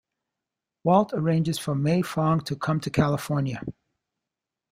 Walt arranges for May Fong to come to California.